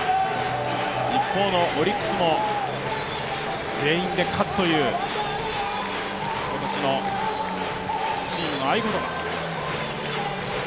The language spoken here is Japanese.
一方のオリックスも、全員で勝つという今年のチームの合い言葉。